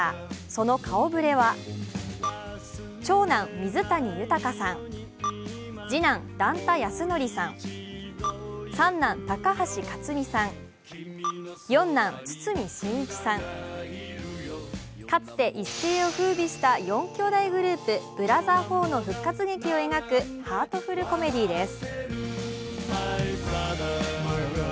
その顔ぶれは長男、水谷豊さん次男、段田安則さん、三男、高橋克実さん四男、堤真一さん、かつて一世をふうびした４兄弟グループ、ブラザー４の復活劇を描くハートフルコメディーです。